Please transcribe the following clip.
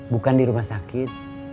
bukan di rumah sakit